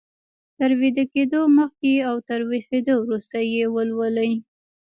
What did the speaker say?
تر ويده کېدو مخکې او تر ويښېدو وروسته يې ولولئ.